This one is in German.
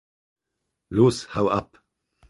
Los hau ab!